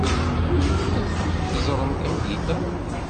Ad ten-teẓrem tameddit-a.